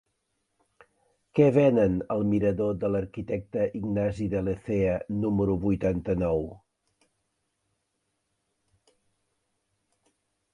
Què venen al mirador de l'Arquitecte Ignasi de Lecea número vuitanta-nou?